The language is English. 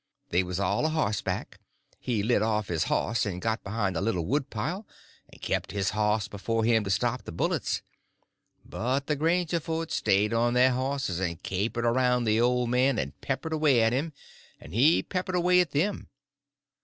They was all a horseback; he lit off of his horse and got behind a little woodpile, and kep' his horse before him to stop the bullets; but the Grangerfords stayed on their horses and capered around the old man, and peppered away at him, and he peppered away at them.